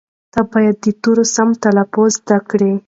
ته باید د تورو سم تلفظ زده کړې.